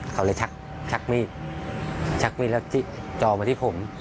เขาเลยชักมีดชักมีดแล้วจอมาที่ผม